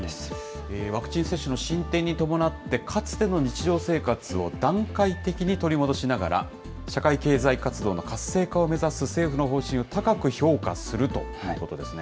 ワクチン接種の進展に伴って、かつての日常生活を段階的に取り戻しながら、社会経済活動の活性化を目指す政府の方針を高く評価するということですね。